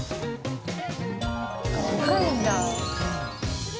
若いんだ。